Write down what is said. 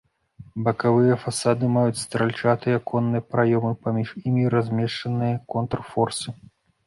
Бакавыя фасады маюць стральчатыя аконныя праёмы, паміж імі размешчаныя контрфорсы.